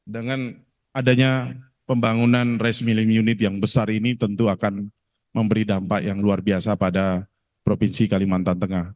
dengan adanya pembangunan resmilling unit yang besar ini tentu akan memberi dampak yang luar biasa pada provinsi kalimantan tengah